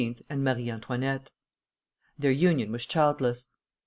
and Marie Antoinette. Their union was childless.